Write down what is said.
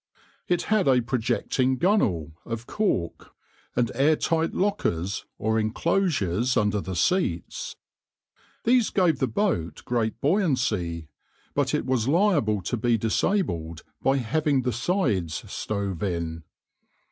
It had a projecting gunwale of cork, and air tight lockers or enclosures under the seats. These gave the boat great buoyancy, but it was liable to be disabled by having the sides stove in.